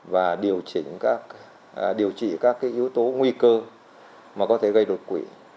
và điều trị các yếu tố nguy cơ mà có thể gây độc quỷ